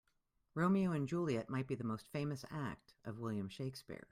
Romeo and Juliet might be the most famous act of William Shakespeare.